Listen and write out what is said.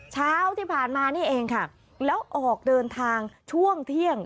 เช้าที่ผ่านมานี่เองค่ะแล้วออกเดินทางช่วงเที่ยง